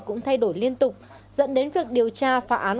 cũng thay đổi liên tục dẫn đến việc điều tra phá án